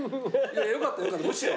よかったよかったむしろ。